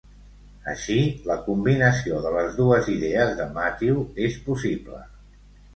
Així, la combinació de les dues idees de Matthew és possible.